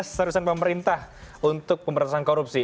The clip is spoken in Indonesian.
keseriusan pemerintah untuk pemberantasan korupsi